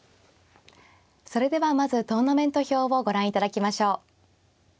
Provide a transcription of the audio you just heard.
それではまずトーナメント表をご覧いただきましょう。